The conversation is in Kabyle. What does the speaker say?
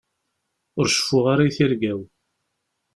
Ur ceffuɣ ara i tirga-w.